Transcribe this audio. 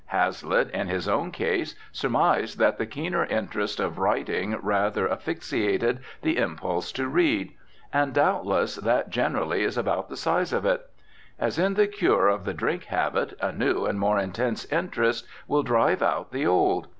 Hazlitt, in his own case, surmised that the keener interest of writing rather asphyxiated the impulse to read. And, doubtless, that generally is about the size of it. As in the cure of the drink habit, a new and more intense interest will drive out the old.